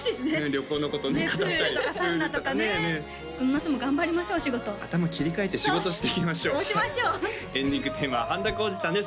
旅行のことね語ったりプールとかサウナとかねこの夏も頑張りましょう仕事頭切り替えて仕事していきましょうエンディングテーマは半田浩二さんです